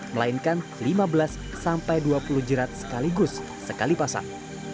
melainkan lima belas sampai dua puluh jerat sekaligus sekali pasang